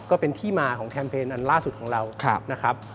ก็เป็นที่มาของแคมเปญอันล่าสุดของเรานะครับ